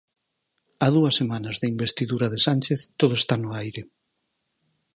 A dúas semanas da investidura de Sánchez, todo está no aire.